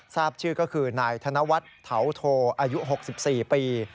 ทราบชื่อก็คือนายธนวัฒน์เถาโทอายุ๖๔ปี